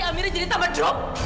amir jadi tambah drop